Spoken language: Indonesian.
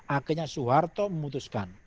akhirnya soeharto memutuskan